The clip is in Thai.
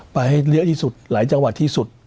ไปเลี้ยยสุดหลายจังหวัดที่สุด